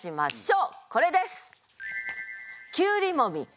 これです。